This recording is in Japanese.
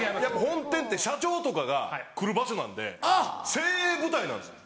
本店って社長とかが来る場所なんで精鋭部隊なんです。